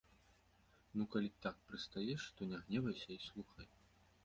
Ну, калі так прыстаеш, то не гневайся і слухай.